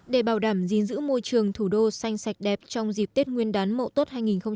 để bảo đảm giữ môi trường thủ đô xanh sạch đẹp trong dịp tết nguyên đán mộ tốt hai nghìn một mươi tám